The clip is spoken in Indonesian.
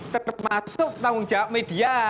termasuk tanggung jawab media